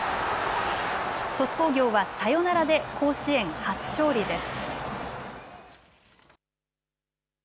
鳥栖工業はサヨナラで甲子園初勝利です。